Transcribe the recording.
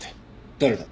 誰だ？